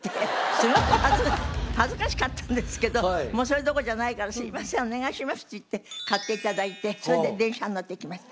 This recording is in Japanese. すごく恥ずかしかったんですけどそれどころじゃないからすいませんお願いしますっていって買って頂いてそれで電車に乗って行きました。